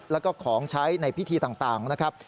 แล้วก็ของใช้ในพิธีต่างนะครับ